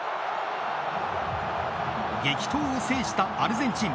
激闘を制したアルゼンチン。